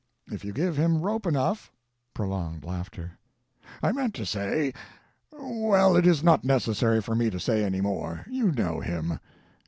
If you give him rope enough [Prolonged laughter] I meant to say well, it is not necessary for me to say any more; you know him.